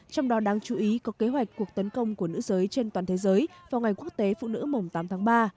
trong đó đáng chú ý có kế hoạch cuộc tấn công của nữ giới trên toàn thế giới vào ngày quốc tế phụ nữ mùng tám tháng ba